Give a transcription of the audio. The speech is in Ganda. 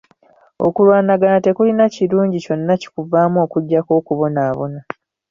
Okulwanagana tekulina kirungi kyonna kikuvaamu okuggyako okubonaabona.